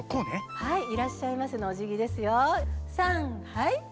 はい。